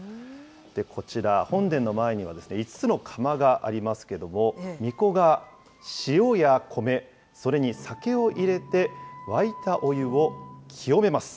こちら、本殿の前には５つの釜がありますけども、みこが塩や米、それに酒を入れて沸いたお湯を清めます。